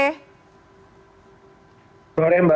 selamat sore mbak